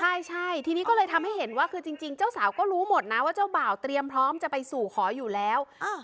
ใช่ทีนี้ก็เลยทำให้เห็นว่าคือจริงเจ้าสาวก็รู้หมดนะว่าเจ้าบ่าวเตรียมพร้อมจะไปสู่ขออยู่แล้ว